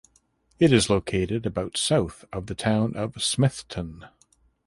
It is located about south of the town of Smithton.